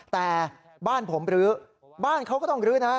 แต่บ้านผมรื้อบ้านเขาก็ต้องลื้อนะ